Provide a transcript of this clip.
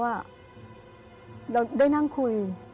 เราได้นั่งคุย